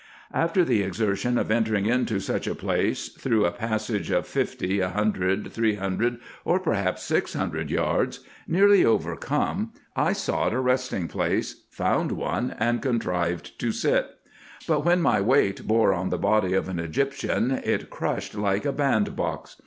After the exertion of entering into such a place, through a passage of fifty, a hundred, three hundred, or per haps six hundred yards, nearly overcome, I sought a resting place, found one, and contrived to sit ; but when my weight bore on the body of an Egyptian, it crushed it like a band box.